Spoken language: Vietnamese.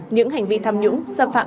những hành vi tham nhũng xâm phạm